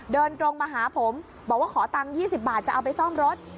เดินตรงมาหาผมบอกว่าขอตังค์๒๐บาทจะเอาไปซ่อมรถ